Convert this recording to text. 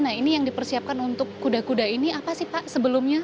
nah ini yang dipersiapkan untuk kuda kuda ini apa sih pak sebelumnya